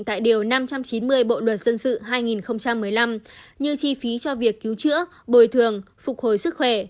tại điều năm trăm chín mươi bộ luật dân sự hai nghìn một mươi năm như chi phí cho việc cứu chữa bồi thường phục hồi sức khỏe